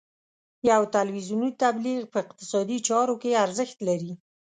یو تلویزیوني تبلیغ په اقتصادي چارو کې ارزښت لري.